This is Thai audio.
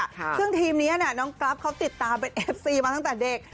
ซึ่งทีมนี้น้องกรัฟเขาติดตามเป็นเอฟซีมาตั้งแต่เด็ก